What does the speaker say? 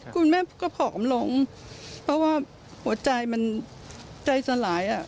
คุณแม่ก็ผอมลงเพราะว่าหัวใจมันใจสลายอ่ะ